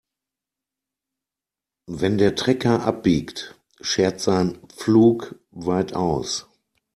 Wenn der Trecker abbiegt, schert sein Pflug weit aus.